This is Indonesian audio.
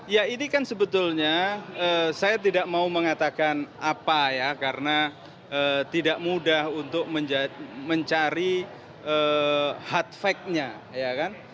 ya ini kan sebetulnya saya tidak mau mengatakan apa ya karena tidak mudah untuk mencari hard fact nya ya kan